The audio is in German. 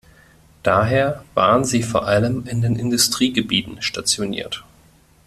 Daher waren sie vor allem in den Industriegebieten stationiert.